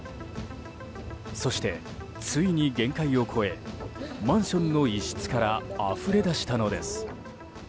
そして、ついに限界を超えマンションの一室からあふれだしたのです。